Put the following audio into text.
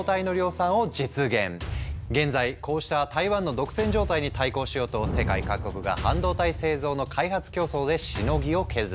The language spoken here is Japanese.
現在こうした台湾の独占状態に対抗しようと世界各国が半導体製造の開発競争でしのぎを削っている。